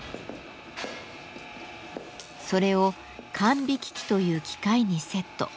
それを管引機という機械にセット。